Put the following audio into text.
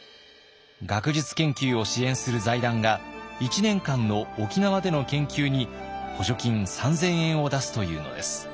学術研究を支援する財団が１年間の沖縄での研究に補助金３，０００円を出すというのです。